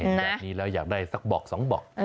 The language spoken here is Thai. แบบนี้แล้วอยากได้สักบอกสองบอก